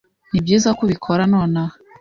Nibyiza ko ubikora nonaha.